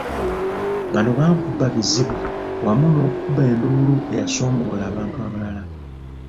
Bano baamukuba mizibu wamu n'okukuba enduulu eyasomboola abantu abalala.